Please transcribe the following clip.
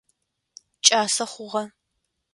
Кӏасэ хъугъэ.